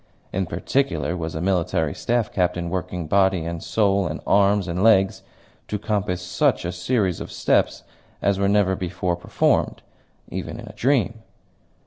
In particular was a military staff captain working body and soul and arms and legs to compass such a series of steps as were never before performed, even in a dream.